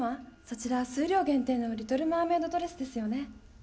そちら数量限定のリトルマーメイドドレスですよね？